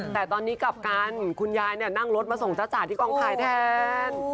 แต่ตอนนี้กลับกันคุณยายนั่งรถมาส่งจ้าจ๋าที่กองถ่ายแทน